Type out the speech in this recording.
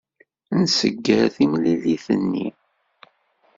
Nsegger timlilit-nni.